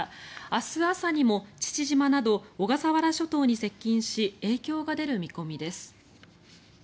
明日朝にも父島など小笠原諸島に接近し影響が出る見込みです。